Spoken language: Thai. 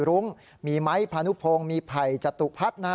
รุ้งมีไม้พานุพงศ์มีไผ่จตุพัฒน์นะ